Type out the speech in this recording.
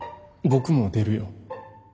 僕も出るよ。